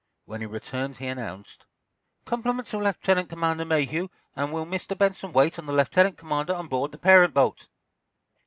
When he returned, he announced: "Compliments of Lieutenant Commander Mayhew, and will Mr. Benson wait on the lieutenant commander on board the parent boat?"